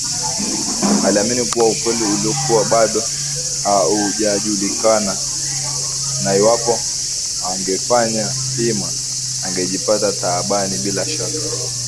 Aliamini kuwa ukweli ulikuwa bado haujajulikana na iwapo hangefanya hima angejipata taabani bila shaka